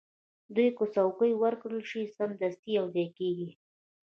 دوی که څوکۍ ورکړل شي، سمدستي یو ځای کېږي.